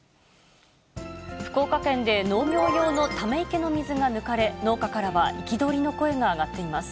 福岡県で農業用のため池の水が抜かれ、農家からは憤りの声が上がっています。